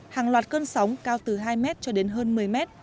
hàng loạt cơn sóng cao từ hai m cho đến hơn một mươi m